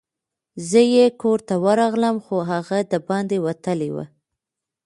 زه یې کور ته ورغلم، خو هغه دباندي وتلی وو.